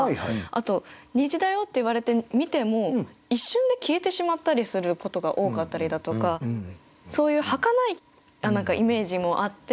あと「虹だよ」って言われて見ても一瞬で消えてしまったりすることが多かったりだとかそういうはかないイメージもあって。